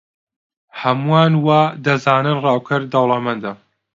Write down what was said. هەمووان وا دەزانن ڕاوکەر دەوڵەمەندە.